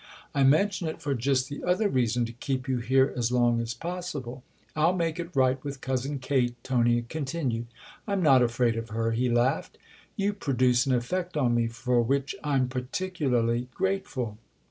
I mention it for just the other reason to keep you here as long as possible. I'll make it right with Cousin Kate," Tony continued. " I'm not afraid of her !" he laughed. " You pro duce an effect on me for which I'm particularly grateful."